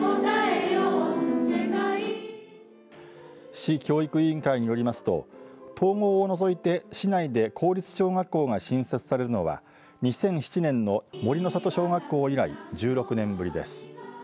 市教育委員会によりますと統合を除いて市内で公立小学校が新設されるのは２００７年の杜の里小学校以来１６年ぶりです。